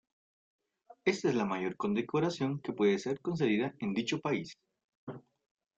Esta es la mayor condecoración que puede ser concedida en dicho país.